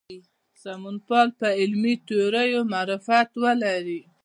سمونپال په علمي تیوریو معرفت ولري.